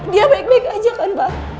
dia baik baik aja kan pak